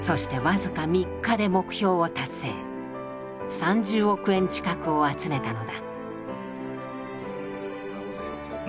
３０億円近くを集めたのだ。